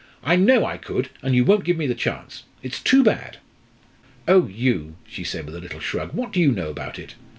I know I could, and you won't give me the chance; it's too bad." "Oh, you!" she said, with a little shrug; "what do you know about it?